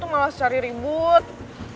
mendingan sekarang gue cari pelakunya di dalam